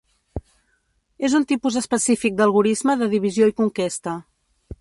És un tipus específic d'algorisme de divisió i conquesta.